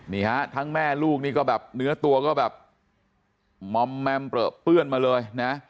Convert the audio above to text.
นี่ฮะทั้งแม่ลูกเนื้อตัวก็แบบม้อมแม่มเปลือเปื้อนมาเลย